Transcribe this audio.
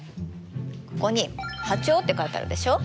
ここに「波長」って書いてあるでしょう。